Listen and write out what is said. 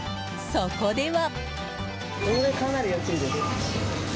そこでは。